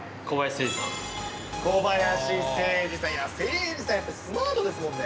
誠司さんやっぱ、スマートですもんね。